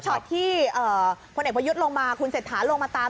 ช็อตที่พลเอกประยุทธ์ลงมาคุณเศรษฐาลงมาตาม